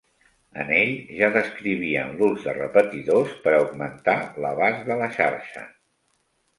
En ell ja descrivien l'ús de repetidors per augmentar l'abast de la xarxa.